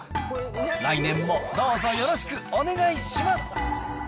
来年もどうぞよろしくお願いします。